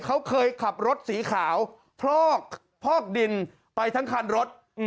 เขาเคยขับรถสีขาวพลอกดินไปทั้งคันรถ